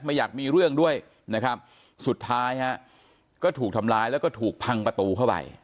อยากมีเรื่องด้วยนะครับสุดท้ายฮะก็ถูกทำร้ายแล้วก็ถูกพังประตูเข้าไป